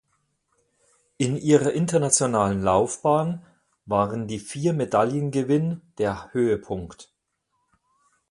In ihrer internationalen Laufbahn waren die vier Medaillengewinn der Höhepunkt.